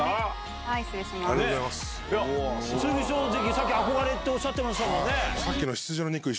さっき憧れっておっしゃってましたけどね。